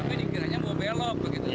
ya kami dikiranya mau belok begitu